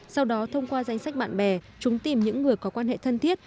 sau đó thông qua danh sách bạn bè chúng tìm những người có quan hệ thân thiết